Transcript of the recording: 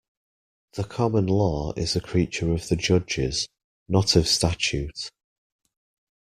The common law is a creature of the judges, not of statute.